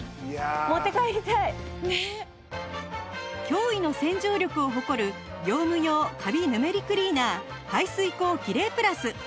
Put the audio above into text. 驚異の洗浄力を誇る業務用カビ・ヌメリクリーナー排水口キレイプラス